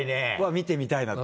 見てみたいなと。